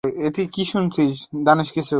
রাজ, তারা-কে হ্যালো বলো।